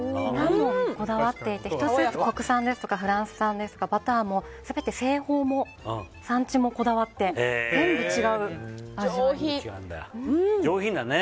こだわっていて１つずつ国産ですとかフランス産ですとかバターも製法も産地もこだわって上品だね！